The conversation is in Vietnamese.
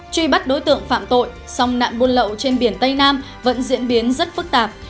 truy bắt đối tượng phạm tội song nạn buôn lậu trên biển tây nam vẫn diễn biến rất phức tạp